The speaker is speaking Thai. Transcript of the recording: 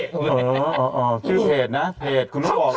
ชื่อเพจเออชื่อเพจนะเพจคุณต้องบอกด้วย